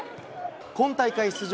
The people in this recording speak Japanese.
今大会出場